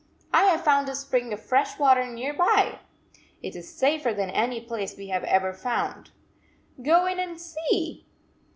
I have found a spring of fresh water near 123 by! It is safer than any place we have ever found. Go in and see!"